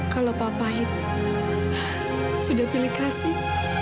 kalau papa itu sudah pilih kasih